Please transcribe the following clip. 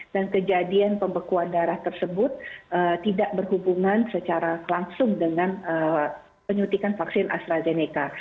dan kejadian pembekuan darah tersebut tidak berhubungan secara langsung dengan penyutikan vaksin astrazeneca